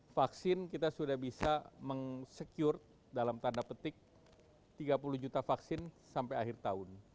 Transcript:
vaksin kita sudah bisa meng secure dalam tanda petik tiga puluh juta vaksin sampai akhir tahun